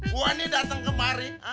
gua nih dateng kemari